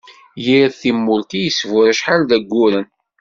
Yir tumelt i yesbur acḥal d ayyuren.